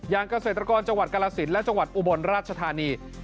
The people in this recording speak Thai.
อย่างเกษตรกรจังหวัดกรสินทร์และจังหวัดอุบรรณราชธานี